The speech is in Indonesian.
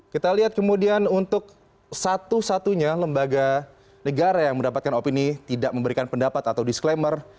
kita lihat kemudian untuk satu satunya lembaga negara yang mendapatkan opini tidak memberikan pendapat atau disclaimer